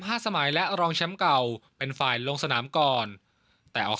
สมัยและรองแชมป์เก่าเป็นฝ่ายลงสนามก่อนแต่เอา